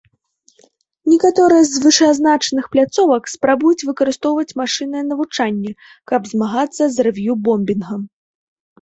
Некаторыя з вышэазначаных пляцовак спрабуюць выкарыстоўваць машыннае навучанне, каб змагацца з рэв'ю-бомбінгам.